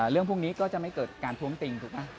เรื่องพวกนี้ก็จะไม่เกิดการท้วงติงถูกไหม